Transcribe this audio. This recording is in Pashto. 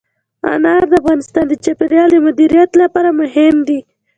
انار د افغانستان د چاپیریال د مدیریت لپاره مهم دي.